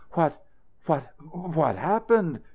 "What what what happened?"